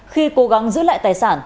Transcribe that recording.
khi cố gắng giữ lại tài sản